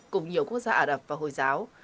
cùng nhiều quốc gia ả rập và hồi giáo